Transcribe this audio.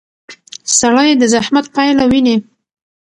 سړی د زحمت پایله ویني